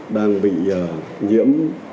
đang bị nhiễm